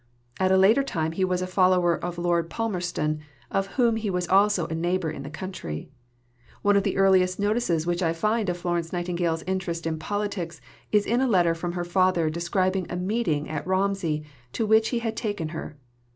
At a later time he was a follower of Lord Palmerston, of whom he was also a neighbour in the country. One of the earliest notices which I find of Florence Nightingale's interest in politics is in a letter from her father describing a meeting at Romsey to which he had taken her.